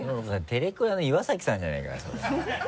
テレクラの岩崎さんじゃないかよそれ。